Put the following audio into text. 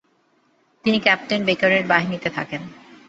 তিনি ক্যাপ্টেন বেকারের বাহিনীতে থাকেন।